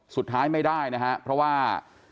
สุดท้ายไม่ได้นะฮะเพราะว่า